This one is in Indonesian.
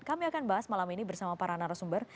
kami akan bahas malam ini bersama para narasumber